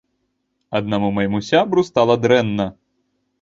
Аднаму майму сябру стала дрэнна.